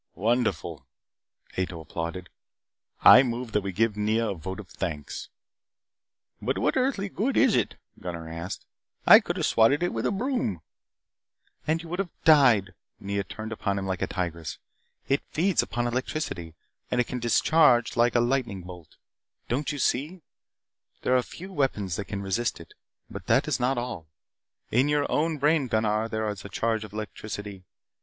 "Wonderful," Ato applauded. "I move that we give Nea a vote of thanks." "But what earthly good is it?" Gunnar asked. "I could have swatted it with a broom." "And you would have died." Nea turned upon him like a tigress. "It feeds upon electricity and it can discharge a lightning bolt. Don't you see? There are few weapons that can resist it. But that is not all. In your own brain, Gunnar, there is a charge of electricity.